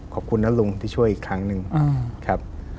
ขอบคุณนะลุงที่ช่วยอีกครั้งหนึ่งครับ